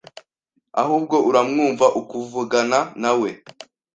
Ahubwo uramwumva, ukuvugana nawe